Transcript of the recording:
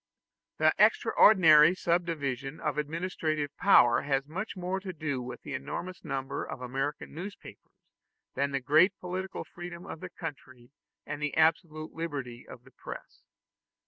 The extraordinary subdivision of administrative power has much more to do with the enormous number of American newspapers than the great political freedom of the country and the absolute liberty of the press.